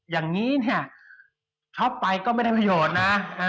อย่างนี้เนี่ยช็อปไปก็ไม่ได้ประโยชน์นะ